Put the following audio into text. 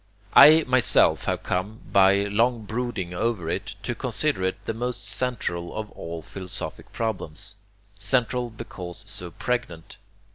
I myself have come, by long brooding over it, to consider it the most central of all philosophic problems, central because so pregnant.